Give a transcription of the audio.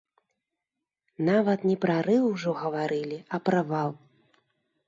Нават не прарыў ужо гаварылі, а правал!